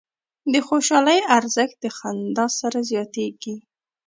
د خوشحالۍ ارزښت د خندا سره زیاتېږي.